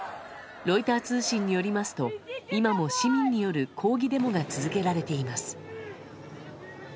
ロイター通信によりますと今も市民による抗議デモが続けられています。